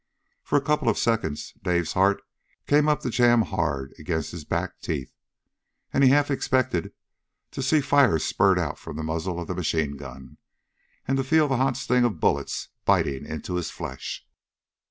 For a couple of seconds Dave's heart came up to jam hard against his back teeth, as he half expected to see fire spurt out from the muzzle of the machine gun, and to feel the hot sting of bullets biting into his flesh.